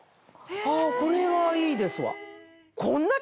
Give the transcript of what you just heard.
これはいいですわ。